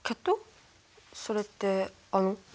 それってあの？